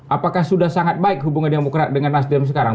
apakah sudah sangat baik hubungan demokrat dengan nasdem sekarang